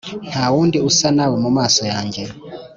nta wundi usa nawe mu maso yanjye